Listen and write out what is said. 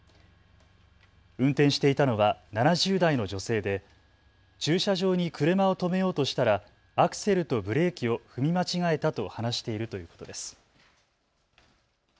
運転していたのは７０代の女性で駐車場に車を止めようとしたらアクセルとブレーキを踏み間違えたと話しているということです。